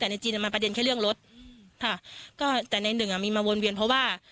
แต่ในจีนอ่ะมันประเด็นแค่เรื่องรถค่ะก็แต่ในหนึ่งอ่ะมีมาวนเวียนเพราะว่า